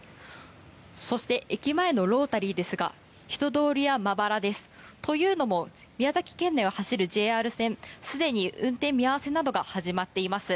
そして、駅前のロータリーですが人通りは、まばらです。というのも宮崎県内を走るＪＲ線すでに運転見合わせなどが始まっています。